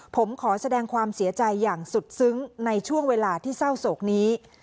ผมขอแสดงความเสียใจอย่างสุดซึ้งในช่วงเวลาที่เศร้าโศกนี้